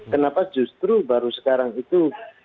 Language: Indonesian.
kenapa justru baru sekarang itu